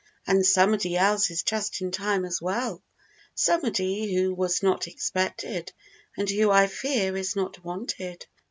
And somebody else is just in time as well somebody who was not expected, and who, I fear, is not wanted.